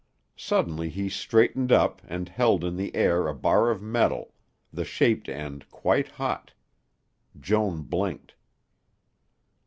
Suddenly he straightened up and held in the air a bar of metal, the shaped end white hot. Joan blinked.